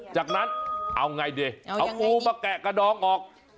จากนั้นเอาไงดิเอางูมาแกะกระดองออก